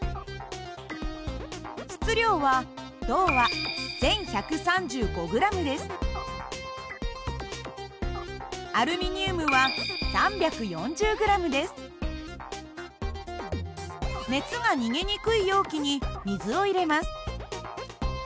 質量は銅はアルミニウムは熱が逃げにくい容器に水を入れます。